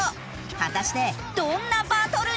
果たしてどんなバトルに！？